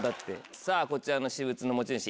さぁこちらの私物の持ち主